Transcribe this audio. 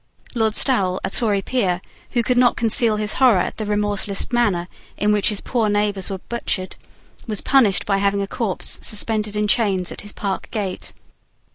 Lord Stawell, a Tory peer, who could not conceal his horror at the remorseless manner in which his poor neighbours were butchered, was punished by having a corpse suspended in chains at his park gate.